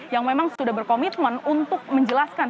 yang memang sudah berkomitmen untuk menjelaskan